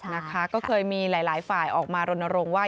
นะคะก็เคยมีหลายฝ่ายออกมารณรงค์ว่า